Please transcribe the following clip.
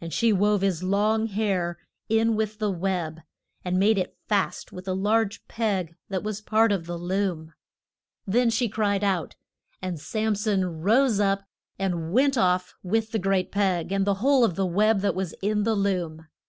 And she wove his long hair in with the web, and made it fast with a large peg that was part of the loom. Then she cried out, and Sam son rose up and went off with the great peg, and the whole of the web that was in the loom.